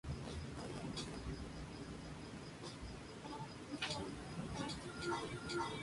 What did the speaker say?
Se eliminó por tanto la participación en la huelga como causa de despido.